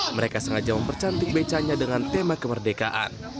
mereka sengaja mempercantik becanya dengan tema kemerdekaan